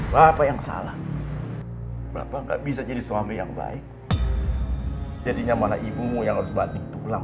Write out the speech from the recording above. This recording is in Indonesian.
bapak yang salah bapak nggak bisa jadi suami yang baik jadinya malah ibumu yang harus banting ulang